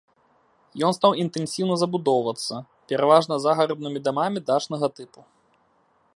Ён стаў інтэнсіўна забудоўвацца, пераважна загараднымі дамамі дачнага тыпу.